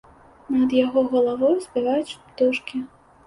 Над яго галавою спяваюць птушкі.